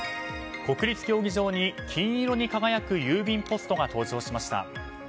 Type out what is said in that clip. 国立競技場に金色に輝く郵便ポストが登場しました。